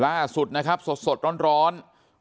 ล่าสุดนะครับสดร้อน